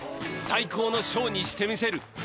「最高のショーにしてみせる。